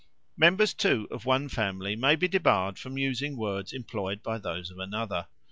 Members, too, of one family may be debarred from using words employed by those of another.